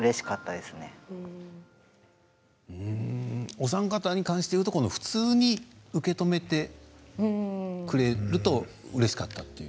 お三方に関して言うと普通に受け止めてくれるとうれしかったという。